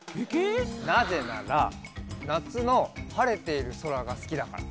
なぜならなつのはれているそらがすきだから。